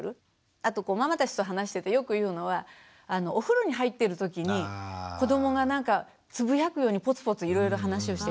あとママたちと話しててよく言うのはお風呂に入ってるときに子どもがなんかつぶやくようにポツポツいろいろ話をしてくる。